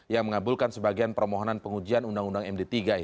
yang mengabulkan sebagian permohonan pengujian undang undang mkd